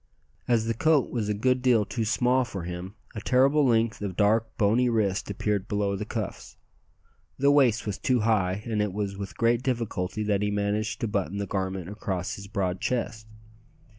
As the coat was a good deal too small for him, a terrible length of dark, bony wrist appeared below the cuffs. The waist was too high, and it was with great difficulty that he managed to button the garment across his broad chest.